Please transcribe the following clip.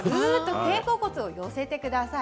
肩甲骨を寄せてください。